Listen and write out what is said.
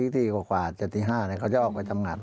ตีกว่าจะตี๕เขาจะออกไปทำงาน